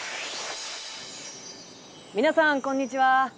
皆さんこんにちは。